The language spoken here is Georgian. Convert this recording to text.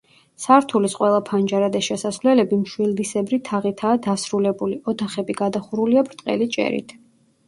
სართულის ყველა ფანჯარა და შესასვლელები მშვილდისებრი თაღითაა დასრულებული, ოთახები გადახურულია ბრტყელი ჭერით.